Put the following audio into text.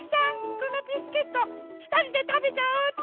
このビスケットひとりでたべちゃおうっと。